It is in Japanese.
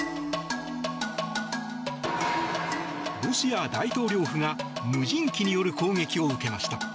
ロシア大統領府が無人機による攻撃を受けました。